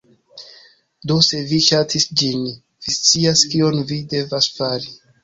Do se vi ŝatis ĝin, vi scias kion vi devas fari